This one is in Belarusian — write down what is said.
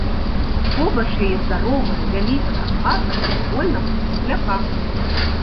Побач яе здаровая, вялікая хата з смольнага кругляка.